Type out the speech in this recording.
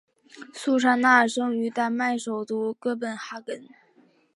苏珊娜生于丹麦首都哥本哈根。